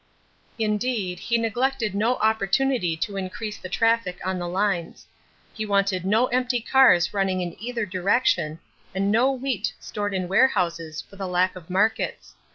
Indeed, he neglected no opportunity to increase the traffic on the lines. He wanted no empty cars running in either direction and no wheat stored in warehouses for the lack of markets.